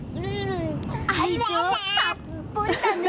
愛情たっぷりだね！